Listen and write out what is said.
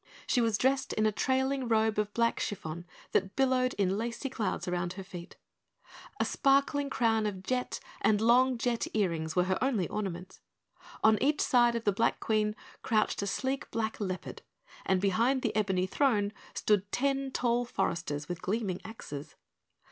She was dressed in a trailing robe of black chiffon that billowed in lacy clouds round her feet. A sparkling crown of jet and long jet earrings were her only ornaments. On each side of the Black Queen crouched a sleek black leopard and behind the ebony throne stood ten tall foresters with gleaming axes.